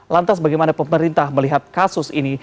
lantas bagaimana pemerintah melihat kasus ini